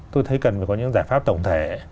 tôi thấy cần phải có những giải pháp tổng thể